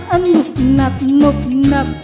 อันนุ่บนับนุ่บนับ